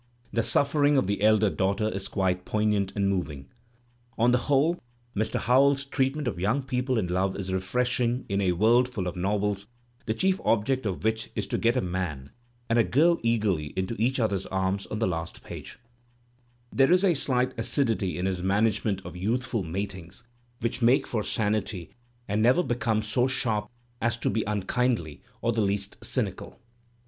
The suffering of the elder daughter is quite poignant and moving. On the whole Mr. Howells's treatment of young people in love is refreshing in a world full of novels the chief object of which is to get a man and a girl eagerly into each other's arms on the last page; there is a slight acidity in his management of youthful Digitized by Google I 294 THE SPIRIT OP AMERICAN LITERATURE matings which makes for sanity and never becomes so i^rp as to be unkindly or the least cynical.